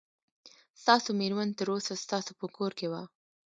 ستاسو مېرمن تر اوسه ستاسو په کور کې وه.